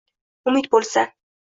Umid bo’lsa